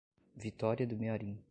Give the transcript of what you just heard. Vitória do Mearim